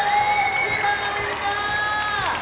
千葉のみんな！